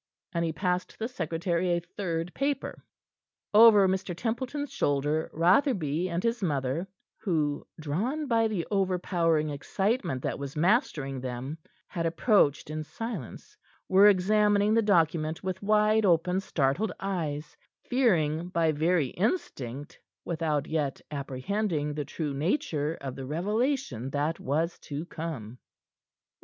And he passed the secretary a third paper. Over Mr. Templeton's shoulder, Rotherby and his mother, who drawn by the overpowering excitement that was mastering them had approached in silence, were examining the document with wide open, startled eyes, fearing by very instinct, without yet apprehending the true nature of the revelation that was to come.